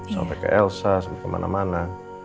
sampai ke elsa sampai kemana mana